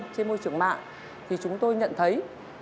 trên môi trường mạng thì chúng tôi nhận thấy